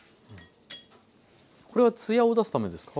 これは艶を出すためですか？